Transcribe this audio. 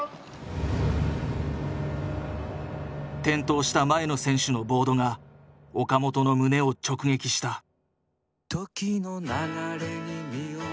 転倒した前の選手のボードが岡本の胸を直撃した。